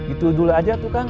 itu dulu aja tuh kang